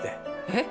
「えっ！？」